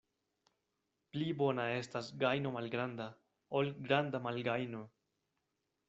Pli bona estas gajno malgranda, ol granda malgajno.